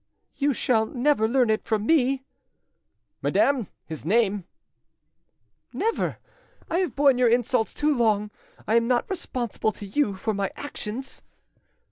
"You shall never learn it from me!" "Madame, his name?" "Never! I have borne your insults too long. I am not responsible to you for my actions."